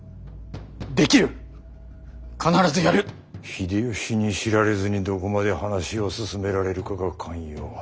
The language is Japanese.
秀吉に知られずにどこまで話を進められるかが肝要。